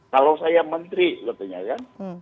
kalau saya menteri katanya ya